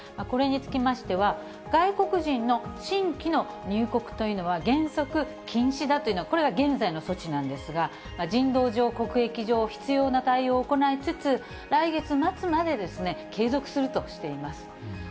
これにつきましては、外国人の新規の入国というのは、原則禁止だというのは、これが現在の措置なんですが、人道上、国益上、必要な対応を行いつつ、来月末まで継続するとしています。